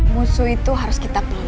musuh itu harus kita pilih